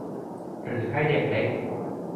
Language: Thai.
หรือให้เด็กเล็ก